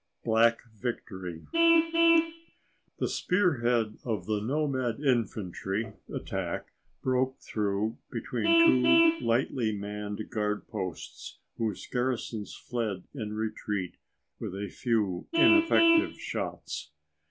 Black Victory The spearhead of the nomad infantry attack broke through between two lightly manned guard posts whose garrisons fled in retreat with a few ineffective shots.